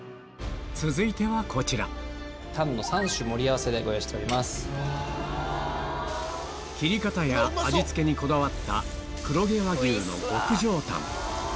続いてはこちら切り方や味付けにこだわった黒毛和牛の極上タン